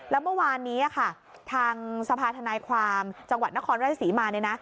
แล้วเมื่อวานนี้ค่ะทางสภาธนายความจังหวัดนครราชศรีมาเนี่ยนะ